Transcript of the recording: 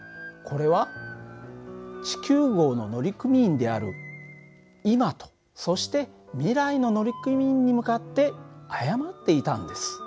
これは地球号の乗組員である今とそして未来の乗組員に向かって謝っていたんです。